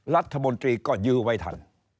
รัฐมนตรีก็ยื้อไว้ทัน